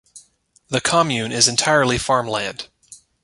The commune is entirely farmland.